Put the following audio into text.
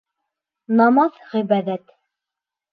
Намаҙ, ғибәҙәт.